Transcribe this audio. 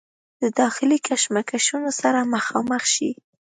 د داخلي کشمکشونو سره مخامخ شي